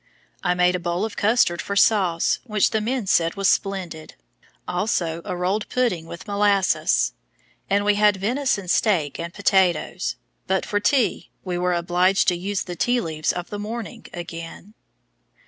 I made a bowl of custard for sauce, which the men said was "splendid"; also a rolled pudding, with molasses; and we had venison steak and potatoes, but for tea we were obliged to use the tea leaves of the morning again.